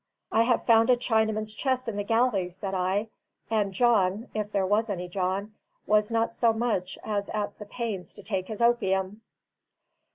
"I have found a Chinaman's chest in the galley," said I, "and John (if there was any John) was not so much as at the pains to take his opium."